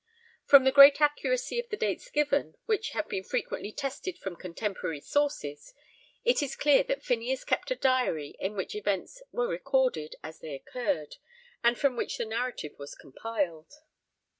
From the great accuracy of the dates given (which have been frequently tested from contemporary sources), it is clear that Phineas kept a diary in which events were recorded as they occurred, and from which the narrative was compiled.